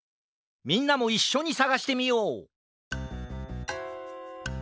みんなもいっしょにさがしてみよう！